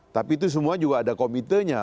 tapi itu semua juga ada komitenya